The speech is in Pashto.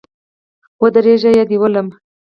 ودرېږه یا دي ولم